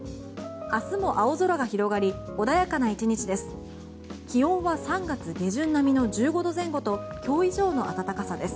明日も青空が広がり穏やかな１日です。